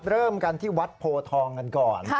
เริ่มกันที่วัดโพทองกันก่อน